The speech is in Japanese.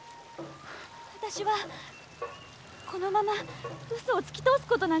私はこのまま嘘をつき通すことなんかできない。